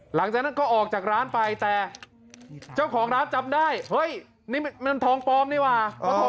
หลังจากนั้นก็ออกจากร้านไปแต่เจ้าของร้านจำได้เฮ้ยนี่มันทองปลอมนี่ว่ะ